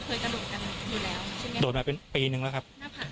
กระโดดมาเป็นปีนึงแล้วครับ